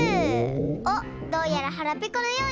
おっどうやらはらぺこのようですね。